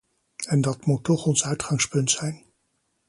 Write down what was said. En dat moet toch ons uitgangspunt zijn.